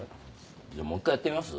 じゃあもう一回やってみます？